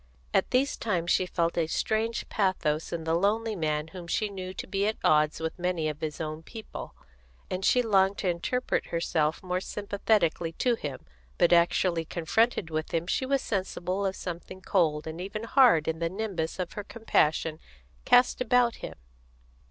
At these times she felt a strange pathos in the lonely man whom she knew to be at odds with many of his own people, and she longed to interpret herself more sympathetically to him, but actually confronted with him she was sensible of something cold and even hard in the nimbus her compassion cast about him.